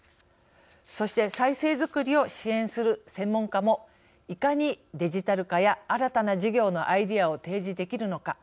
そして、再生づくりを支援する専門家もいかに、デジタル化や新たな事業のアイデアを提示できるのか。